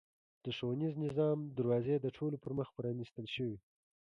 د ښوونیز نظام دروازې د ټولو پرمخ پرانېستل شوې.